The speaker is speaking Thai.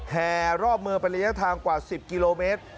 แห่รอบเมืองเป็นระยะทางกว่า๑๐กิโลเมตร